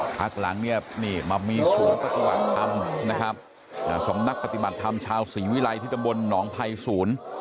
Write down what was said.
พักหลังเนี่ยนี่มามีศูนย์ปฏิบัติธรรมนะครับสำนักปฏิบัติธรรมชาวศรีวิรัยที่ตำบลหนองภัยศูนย์